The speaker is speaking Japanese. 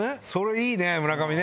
いいね村上。